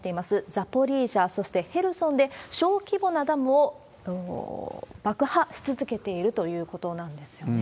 ザポリージャ、そしてヘルソンで、小規模なダムを爆破し続けているということなんですよね。